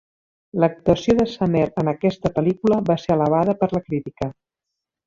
L'actuació de Samaire en aquesta pel·lícula va ser alabada per la crítica.